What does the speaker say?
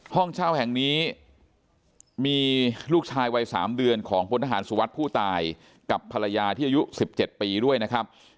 ห้องเช่าแห่งนี้มีลูกชายวัย๓เดือนของพลทหารสุวัสดิ์ผู้ตายกับภรรยาที่อายุ๑๗ปีด้วยนะครับ